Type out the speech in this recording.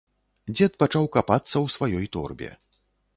Дзед пачаў капацца ў сваёй торбе.